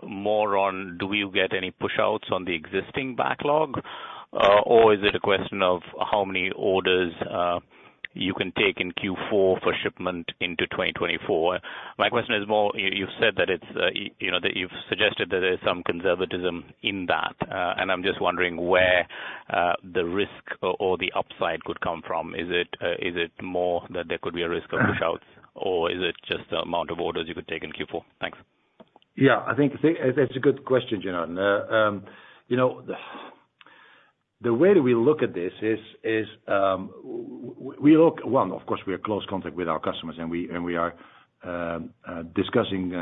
more on, do you get any push-outs on the existing backlog? Or is it a question of how many orders you can take in Q4 for shipment into 2024? My question is more, you've said that it's, you know, that you've suggested that there's some conservatism in that, and I'm just wondering where the risk or the upside could come from. Is it more that there could be a risk of pushouts, or is it just the amount of orders you could take in Q4? Thanks. Yeah, I think it's a good question, Janardan. You know, the way that we look at this is we look. One, of course, we are in close contact with our customers, and we are discussing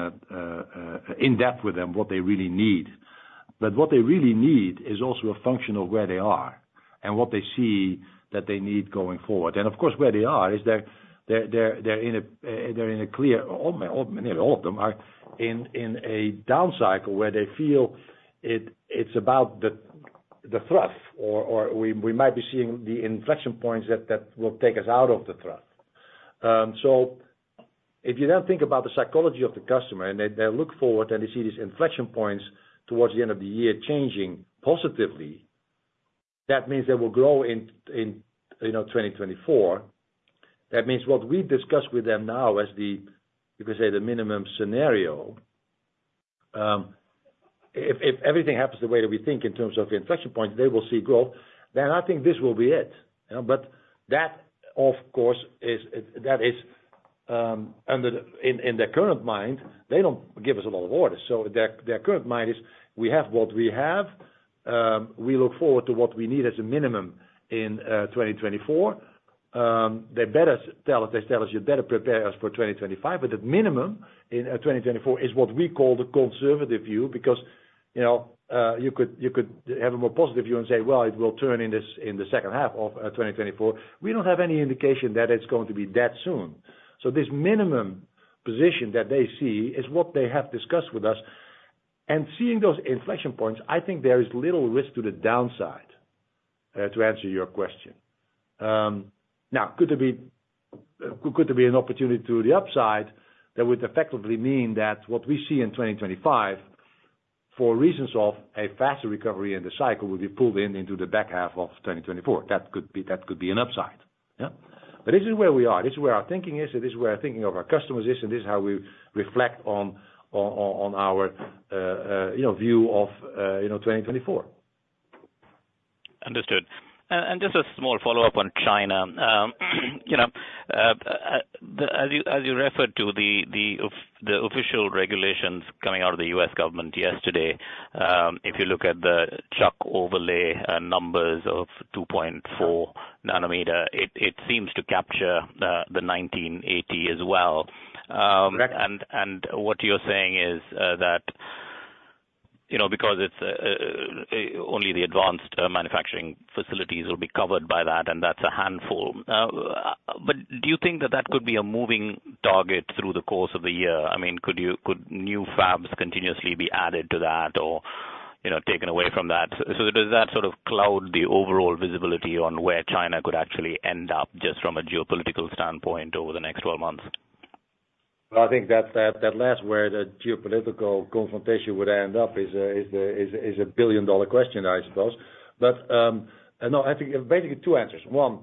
in depth with them what they really need. But what they really need is also a function of where they are and what they see that they need going forward. Of course, where they are is they're in a clear... All nearly all of them are in a down cycle, where they feel it's about the trough, or we might be seeing the inflection points that will take us out of the trough. So if you then think about the psychology of the customer, and they look forward, and they see these inflection points towards the end of the year changing positively, that means they will grow in, you know, 2024. That means what we discuss with them now as the, you can say, the minimum scenario, if everything happens the way that we think in terms of the inflection point, they will see growth, then I think this will be it, you know? But that, of course, is that is. In their current mind, they don't give us a lot of orders. So their current mind is, we have what we have. We look forward to what we need as a minimum in 2024. They better tell us, they tell us, "You better prepare us for 2025," but the minimum in 2024 is what we call the conservative view, because. You know, you could have a more positive view and say, well, it will turn in this, in the second half of 2024. We don't have any indication that it's going to be that soon. So this minimum position that they see is what they have discussed with us. Seeing those inflection points, I think there is little risk to the downside, to answer your question. Now, could there be, could there be an opportunity to the upside that would effectively mean that what we see in 2025, for reasons of a faster recovery in the cycle, will be pulled in into the back half of 2024? That could be, that could be an upside. Yeah? But this is where we are, this is where our thinking is, it is where our thinking of our customers is, and this is how we reflect on our, you know, view of, you know, 2024. Understood. And just a small follow-up on China. You know, as you referred to the official regulations coming out of the U.S. government yesterday, if you look at the chuck overlay numbers of 2.4 nm, it seems to capture the 1980 as well. Correct. And what you're saying is that, you know, because it's only the advanced manufacturing facilities will be covered by that, and that's a handful. But do you think that that could be a moving target through the course of the year? I mean, could new fabs continuously be added to that or, you know, taken away from that? So does that sort of cloud the overall visibility on where China could actually end up, just from a geopolitical standpoint over the next 12 months? Well, I think that last, where the geopolitical confrontation would end up is a billion-dollar question, I suppose. But, no, I think basically two answers. One,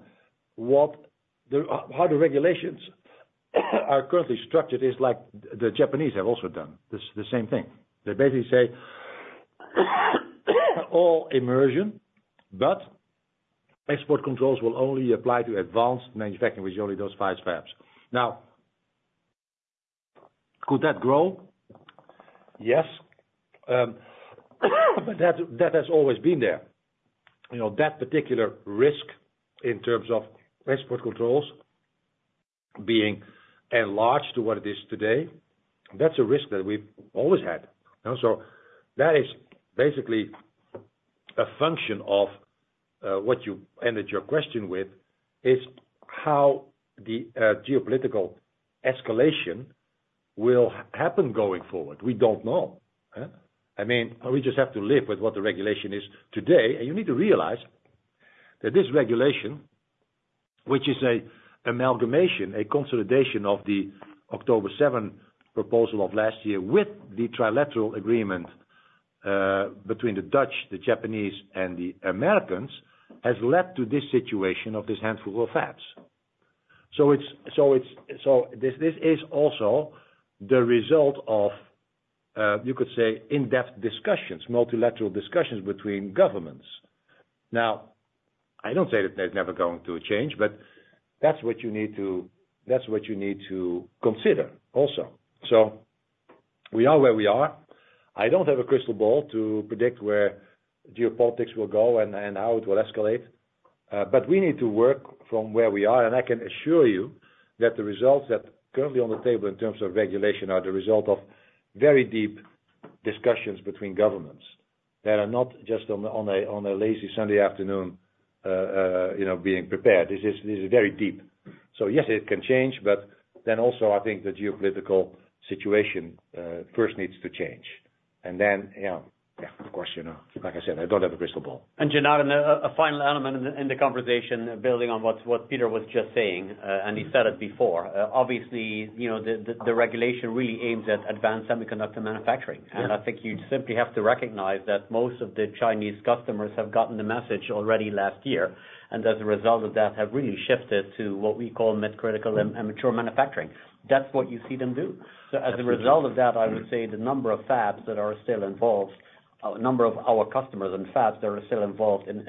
how the regulations are currently structured is like the Japanese have also done, the same thing. They basically say, all immersion, but export controls will only apply to advanced manufacturing, which is only those five fabs. Now, could that grow? Yes. But that has always been there. You know, that particular risk in terms of export controls being enlarged to what it is today, that's a risk that we've always had. And so that is basically a function of what you ended your question with, is how the geopolitical escalation will happen going forward. We don't know, eh? I mean, we just have to live with what the regulation is today. And you need to realize that this regulation, which is a amalgamation, a consolidation of the October 7th proposal of last year, with the trilateral agreement between the Dutch, the Japanese, and the Americans, has led to this situation of this handful of fabs. So this is also the result of, you could say, in-depth discussions, multilateral discussions between governments. Now, I don't say that they're never going to change, but that's what you need to consider also. So we are where we are. I don't have a crystal ball to predict where geopolitics will go and how it will escalate, but we need to work from where we are. I can assure you that the results that are currently on the table in terms of regulation are the result of very deep discussions between governments that are not just on a lazy Sunday afternoon, you know, being prepared. This is, this is very deep. So yes, it can change, but then also, I think the geopolitical situation first needs to change. And then, you know, yeah, of course, you know, like I said, I don't have a crystal ball. And Janardan, a final element in the conversation, building on what Peter was just saying, and he said it before. Obviously, you know, the regulation really aims at advanced semiconductor manufacturing. Yes. I think you simply have to recognize that most of the Chinese customers have gotten the message already last year, and as a result of that, have really shifted to what we call mid-critical and mature manufacturing. That's what you see them do. As a result of that, I would say the number of fabs that are still involved, number of our customers and fabs that are still involved in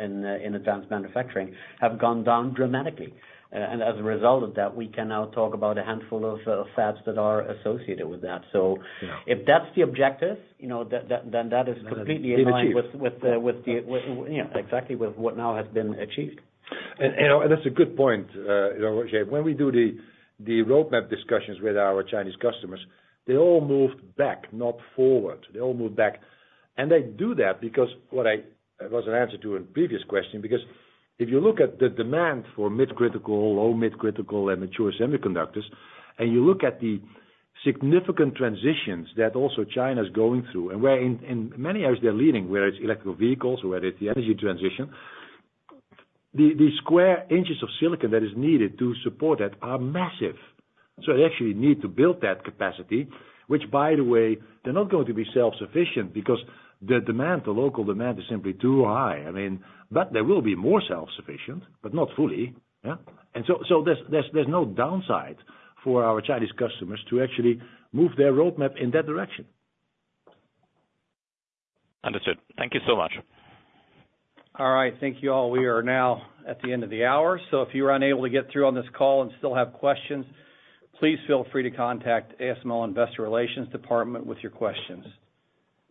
advanced manufacturing, have gone down dramatically. As a result of that, we can now talk about a handful of fabs that are associated with that. So- Yeah. If that's the objective, you know, that then that is completely It achieved. in line with what, yeah, exactly, with what now has been achieved. You know, that's a good point, Roger. When we do the roadmap discussions with our Chinese customers, they all moved back, not forward. They all moved back. And they do that because what I... It was an answer to a previous question, because if you look at the demand for mid-critical, low mid-critical, and mature semiconductors, and you look at the significant transitions that also China's going through, and where in many areas they're leading, whether it's electric vehicles, or whether it's the energy transition. The square inches of silicon that is needed to support that are massive. So they actually need to build that capacity, which, by the way, they're not going to be self-sufficient because the demand, the local demand, is simply too high. I mean... But they will be more self-sufficient, but not fully. Yeah? So, there's no downside for our Chinese customers to actually move their roadmap in that direction. Understood. Thank you so much. All right. Thank you all. We are now at the end of the hour, so if you were unable to get through on this call and still have questions, please feel free to contact ASML Investor Relations Department with your questions.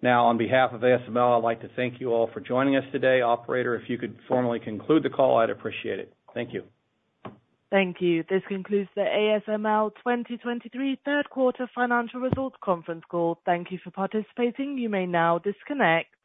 Now, on behalf of ASML, I'd like to thank you all for joining us today. Operator, if you could formally conclude the call, I'd appreciate it. Thank you. Thank you. This concludes the ASML 2023 third quarter financial results conference call. Thank you for participating. You may now disconnect.